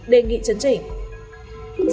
đề nghị chấn chỉnh